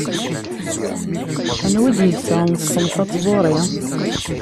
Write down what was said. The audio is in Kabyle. Anwa i d-yettaɣen ṣṣenf-a n tẓuṛi?